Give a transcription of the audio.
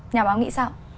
nhà báo nghĩ sao